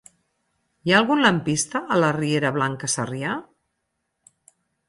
Hi ha algun lampista a la riera Blanca Sarrià?